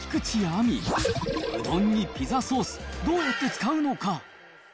うどんにピザソース、どうやって使うのか。